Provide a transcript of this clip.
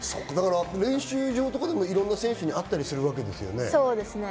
練習場とかでも、いろんな選手に会ったりするんですよね？